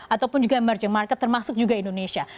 ataupun juga emerging market termasuk juga indonesia